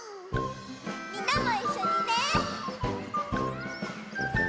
みんなもいっしょにね！